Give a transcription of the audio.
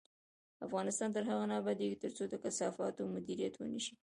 افغانستان تر هغو نه ابادیږي، ترڅو د کثافاتو مدیریت ونشي.